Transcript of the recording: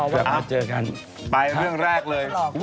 ไปเรื่องแรกเลย